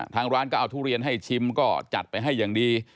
ทางร้านก็เอาทุเรียนให้ชิมก็จัดไปให้อย่างดี